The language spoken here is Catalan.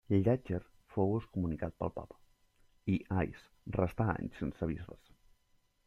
Llàtzer fou excomunicat pel papa i Ais restà anys sense bisbes.